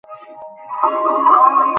বসন্ত রায় মাথায় হাত বুলাইতে লাগিলেন।